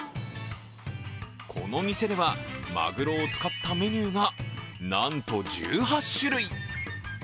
この店ではマグロを使ったメニューがなんと１８種類。